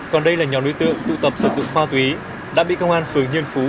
còn đây là nhóm đối tượng tụ tập sử dụng ma túy đã bị công an phường nhân phú